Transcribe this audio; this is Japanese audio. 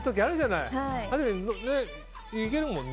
いけるもんね。